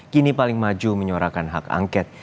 kini paling maju menyorakan hak angket